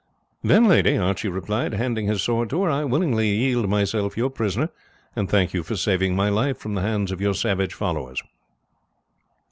"Then, lady," Archie replied, handing his sword to her, "I willingly yield myself your prisoner, and thank you for saving my life from the hands of your savage followers."